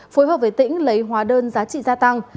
phối hợp với tỉnh lấy hóa đơn giá trị gia tăng